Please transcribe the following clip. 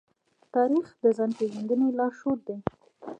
تاریخ د ځان پېژندنې لارښود دی.